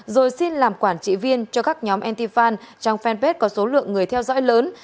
rồi xin làm quản trị viên cho các nhóm ntifan trong fanpage có số lượng người theo dõi lớn